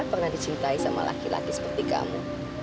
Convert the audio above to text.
pernah dicintai sama laki laki seperti kamu